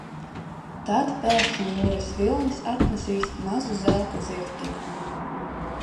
Tad pēkšņi jūras vilnis atnesīs mazu zelta zivtiņu.